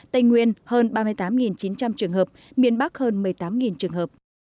tây nguyên hơn ba mươi tám chín trăm linh trường hợp miền bắc hơn một mươi tám trường hợp